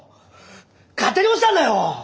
勝手に落ちたんだよ！